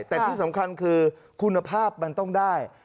แต่ที่สำคัญคือคุณภาพมันต้องได้